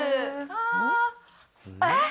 えっ！